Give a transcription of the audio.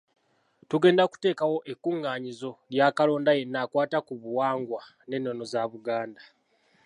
Tugenda kuteekawo ekkuŋŋaanyizo lya kalonda yenna akwata ku buwangwa n’ennono za Buganda.